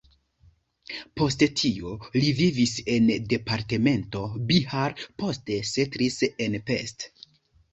Post tio, li vivis en departemento Bihar, poste setlis en Pest.